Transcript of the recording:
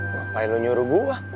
ngapain lo nyuruh gua